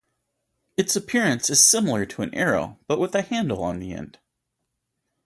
Its appearance is similar to an arrow, but with a handle on the end.